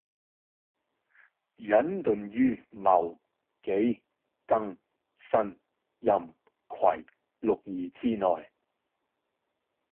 隱遁於「戊、己、庚、辛、壬、癸」六儀之內